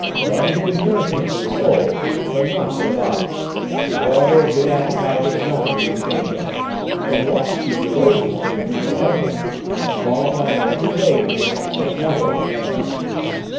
"Love is good nourishment for the soul, but not for the body. However, a good appetite is nothing to be ashamed of, and you ought to keep your roses for your future husband, and qualify in every way to be an excellent mother of a family."